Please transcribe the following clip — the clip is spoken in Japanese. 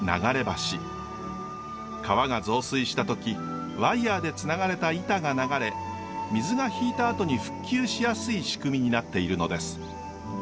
川が増水した時ワイヤーでつながれた板が流れ水が引いたあとに復旧しやすい仕組みになっているのです。